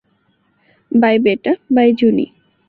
By বেটা, bye জুনি!